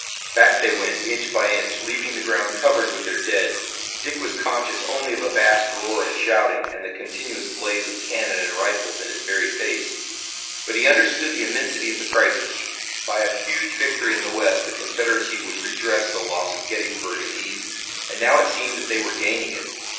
Back they went, inch by inch, leaving the ground covered with their dead. Dick was conscious only of a vast roar and shouting and the continuous blaze of cannon and rifles in his very face. But he understood the immensity of the crisis. By a huge victory in the West the Confederacy would redress the loss of Gettysburg in the East. And now it seemed that they were gaining it.